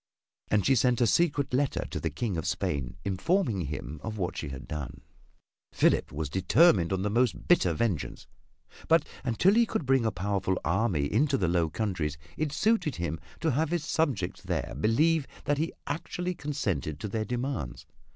And she sent a secret letter to the King of Spain, informing him of what she had done. Philip was determined on the most bitter vengeance, but until he could bring a powerful army into the Low Countries it suited him to have his subjects there believe that he had actually consented to their demands.